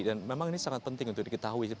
dan memang ini sangat penting untuk diketahui